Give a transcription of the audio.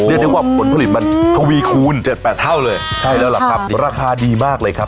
นี่นึกว่าผลผลิตมันทวีคูณเจ็ดแปดเท่าเลยใช่แล้วล่ะครับราคาดีมากเลยครับ